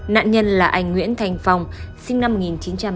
nạn nhân là anh nguyễn thành phong sinh năm một nghìn chín trăm tám mươi